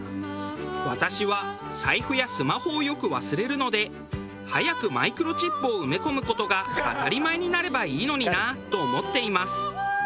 私は財布やスマホをよく忘れるので早くマイクロチップを埋め込む事が当たり前になればいいのになと思っています。